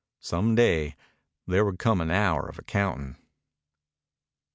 Some day there would come an hour of accounting.